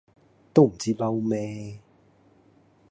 都唔知嬲咩